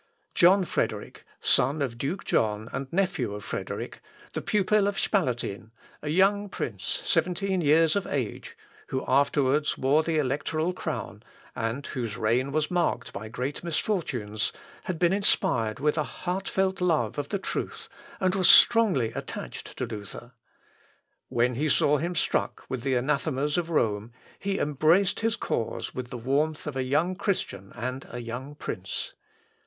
John Frederick, son of Duke John, and nephew of Frederick, the pupil of Spalatin, a young prince, seventeen years of age, who afterwards wore the electoral crown, and whose reign was marked by great misfortunes, had been inspired with a heartfelt love of the truth, and was strongly attached to Luther. When he saw him struck with the anathemas of Rome, he embraced his cause with the warmth of a young Christian and a young prince.